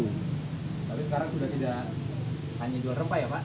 tapi sekarang sudah tidak hanya jual rempah ya pak